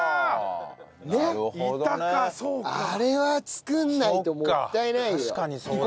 あれは作らないともったいないよ。